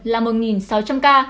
là một sáu trăm linh ca